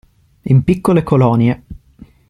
In piccole colonie.